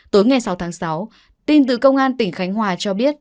tối ngày sáu tháng sáu tin từ công an tỉnh khánh hòa cho biết